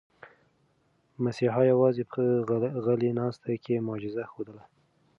مسیحا یوازې په غلې ناسته کې معجزه ښودله.